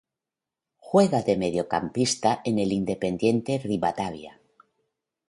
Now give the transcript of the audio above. Juega de mediocampista en Independiente Rivadavia.